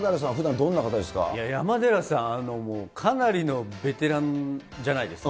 いや、山寺さんはもう、かなりのベテランじゃないですか。